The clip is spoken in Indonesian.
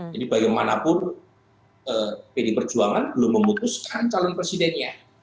jadi bagaimanapun pilih perjuangan belum memutuskan calon presidennya